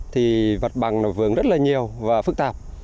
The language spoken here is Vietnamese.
thì vật bằng nó vướng rất là nhiều và phức tạp